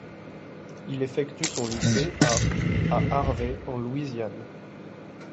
Il effectue son lycée à à Harvey en Louisiane.